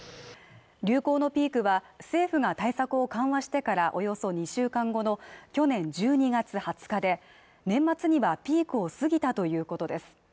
流行のピークは政府が対策を緩和してからおよそ２週間後の去年１２月２０日で年末にはピークを過ぎたということです